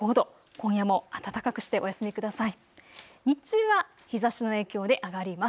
今夜も暖かくしてお休みください。